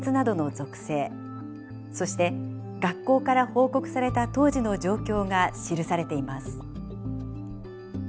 そして学校から報告された当時の状況が記されています。